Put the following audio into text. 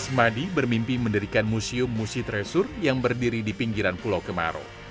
asmadi bermimpi mendirikan museum musi tresur yang berdiri di pinggiran pulau kemarung